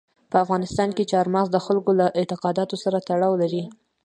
په افغانستان کې چار مغز د خلکو له اعتقاداتو سره تړاو لري.